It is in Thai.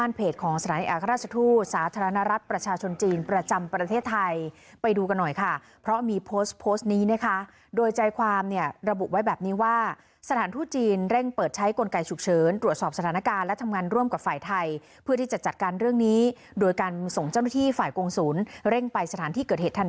รอดูเรื่องของการควบคุมกฎหมายในจุดนี้นะเ